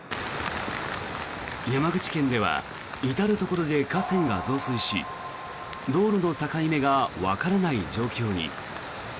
山口県では至るところで河川が増水し道路の境目がわからない状況に。